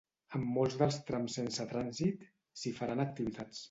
En molts dels trams sense trànsit, s’hi faran activitats.